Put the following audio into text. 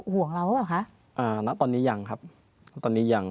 ห่วงเราหรือเปล่าคะอ่าณตอนนี้ยังครับณตอนนี้ยัง